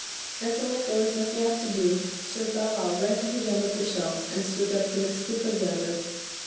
And so as there was nothing else for him to do, Sir Bow wow ran to his end of the shelf, and stood up as stiff as ever.